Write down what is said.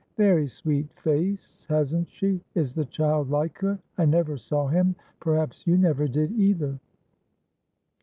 "Very sweet face, hasn't she? Is the child like her? I never saw himperhaps you never did, either?"